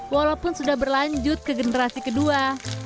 walaupun sudah berlanjut ke generasi kedua